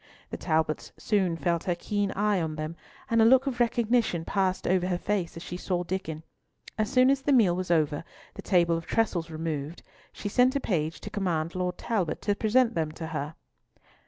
The Talbots soon felt her keen eye on them, and a look of recognition passed over her face as she saw Diccon. As soon as the meal was over, and the table of trestles removed, she sent a page to command Lord Talbot to present them to her.